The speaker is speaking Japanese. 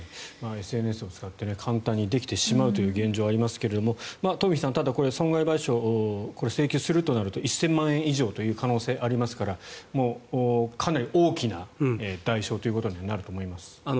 ＳＮＳを使って簡単にできてしまう現状がありますがトンフィさんただ、損害賠償請求するとなると１０００万円以上という可能性がありますからかなり大きな代償ということになると思います。